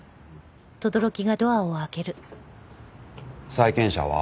債権者は？